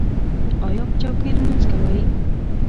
ایا په چوکۍ لمونځ کوئ؟